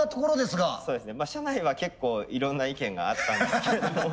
社内は結構いろんな意見があったんですけれども。